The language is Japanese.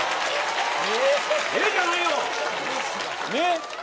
えーじゃないよ！ね？